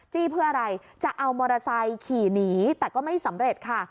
เพื่ออะไรจะเอามอเตอร์ไซค์ขี่หนีแต่ก็ไม่สำเร็จค่ะ